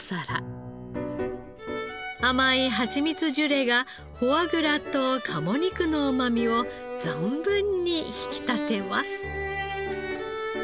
甘いハチミツジュレがフォアグラと鴨肉のうまみを存分に引き立てます。